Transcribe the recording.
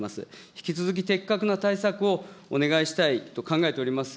引き続き的確な対策をお願いしたいと考えております。